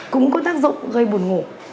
cũng có tác dụng gây buồn ngủ